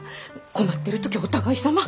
困ってる時はお互いさま。